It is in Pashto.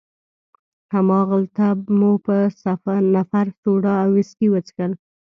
هماغلته مو په نفر سوډا او ویسکي وڅښل.